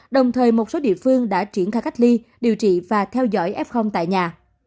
đồng thời một số địa phương đã triển khai cách ly điều trị và theo dõi f tại nhà